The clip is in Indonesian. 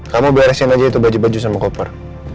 kamu beresin aja itu baju baju sama koper